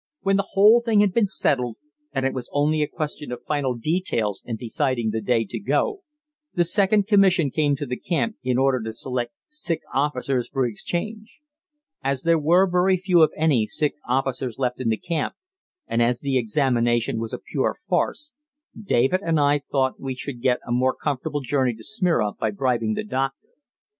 When the whole thing had been settled and it was only a question of final details and deciding the day to go, the second commission came to the camp in order to select sick officers for exchange. As there were very few, if any, sick officers left in the camp, and as the examination was a pure farce, David and I thought we should get a more comfortable journey to Smyrna by bribing the doctor.